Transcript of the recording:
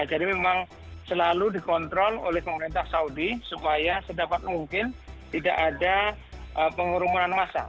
jadi memang selalu dikontrol oleh pemerintah saudi supaya sedapat mungkin tidak ada pengumpulan massa